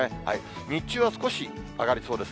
日中は少し上がりそうです。